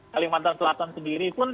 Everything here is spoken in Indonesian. kalimantan selatan sendiri pun